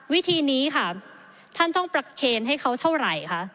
วิธีนี้ค่ะท่านต้องประเคนให้เขาเท่าไหร่คะ